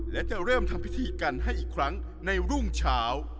และจะเริ่มทำพิธีกันให้อีกครั้งในรุ่งเช้า